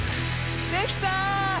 できた！